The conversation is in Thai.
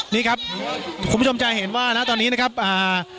นี่ครับคุณผู้ชมจะเห็นว่านะตอนนี้นะครับอ่า